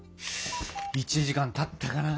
１時間たったかな？